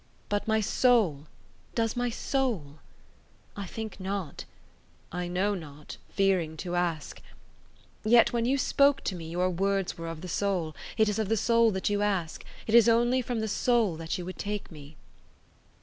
But my soul, does my soul? I think not; I know not, fearing to ask. Yet when you spoke to me your words were of the soul; it is of the soul that you ask—it is only from the soul that you would take me."